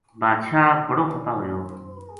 باد شاہ بڑو خپا ہویو